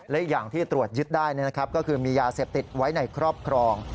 และอีกอย่างที่ตรวจยึดได้ก็คือมียาเสพติดไว้ในครอบครอง